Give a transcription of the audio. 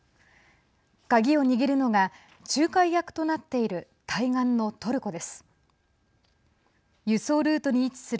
鍵を握るのが仲介役となっている対岸のトルコです。